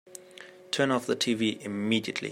Turn off the tv immediately!